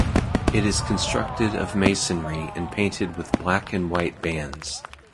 It is constructed of masonry and painted with black and white bands.